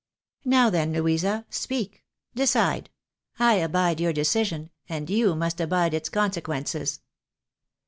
Now then, Louisa, speak! Decide ! I abide your decision, and you must abide its conse quences